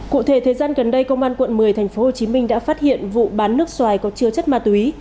cụ thể thời gian gần đây công an quận một mươi tp hcm đã phát hiện vụ bán nước xoài có chứa chất ma túy